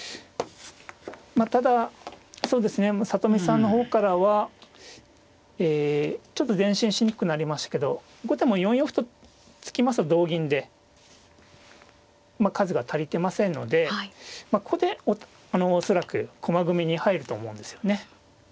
まあただ里見さんの方からはえちょっと前進しにくくなりましたけど後手も４四歩と突きますと同銀でまあ数が足りてませんのでここで恐らく駒組みに入ると思うんですよね。